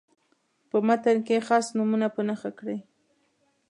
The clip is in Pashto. په متن کې خاص نومونه په نښه کړئ.